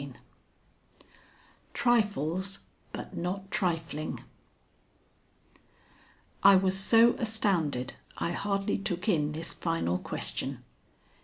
XXV TRIFLES, BUT NOT TRIFLING I was so astounded I hardly took in this final question.